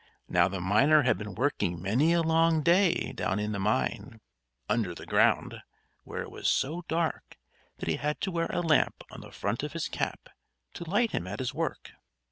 Now the miner had been working many a long day down in the mine, under the ground, where it was so dark that he had to wear a lamp on the front of his cap to light him at his work!